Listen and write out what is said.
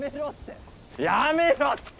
やめろって！